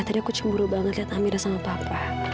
tadi aku cemburu banget liat amira sama papa